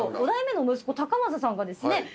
５代目の息子隆正さんがですね